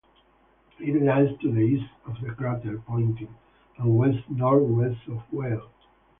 It lies to the east of the crater Poynting, and west-northwest of Weyl.